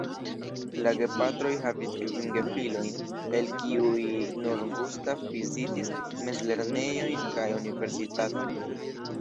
La gepatroj havis kvin gefilojn, el kiuj nur Gustav vizitis mezlernejon kaj Universitaton.